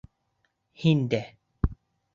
Һин дә.